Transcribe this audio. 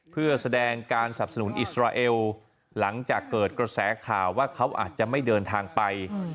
เพื่อแสดงการสับสนุนอิสราเอลหลังจากเกิดกระแสข่าวว่าเขาอาจจะไม่เดินทางไป